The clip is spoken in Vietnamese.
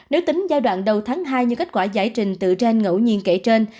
nếu tính giai đoạn đầu tháng hai như kết quả giải trình từ trên ngẫu nhiên kể trên